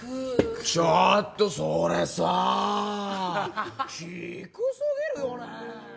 ちょっとそれさあ低すぎるよね！